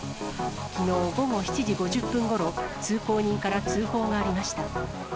きのう午後７時５０分ごろ、通行人から通報がありました。